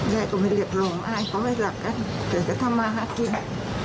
ย่าก็ไม่เรียบรวมพอไม่หลับกันแต่จะทำหมาหาจริง